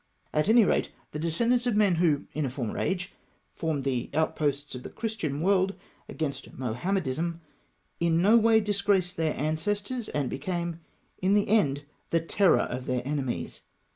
At any rate, the descendants of men who, in a former age, formed the outposts of the Christian world against Mahomedism, in no way disgraced their ancestors, and became in the end the terror of their enemies.